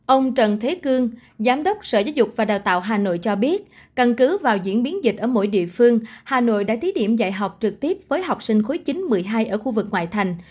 ông trần thế cương giám đốc sở giáo dục và đào tạo hà nội cho biết căn cứ vào diễn biến dịch ở mỗi địa phương hà nội đã thí điểm dạy học trực tiếp với học sinh khối chín một mươi hai ở khu vực ngoại thành